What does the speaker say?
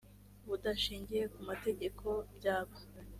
budashingiye ku mategeko byaba